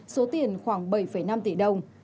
số tiền khoảng bảy năm tỷ đồng